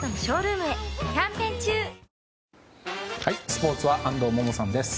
スポーツは安藤萌々さんです。